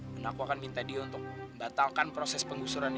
dan aku akan minta dia untuk batalkan proses penggusuran ini